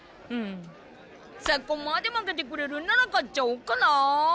そこまでまけてくれるんなら買っちゃおうかな！